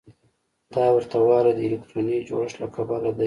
دا ورته والی د الکتروني جوړښت له کبله دی.